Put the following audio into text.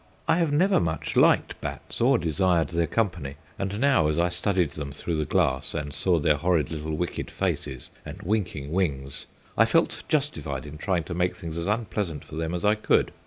I have never much liked bats or desired their company, and now, as I studied them through the glass, and saw their horrid little wicked faces and winking wings, I felt justified in trying to make things as unpleasant for them as I could.